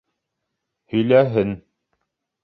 Һөйләһен.